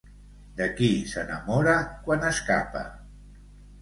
De qui s'enamora quan escapa?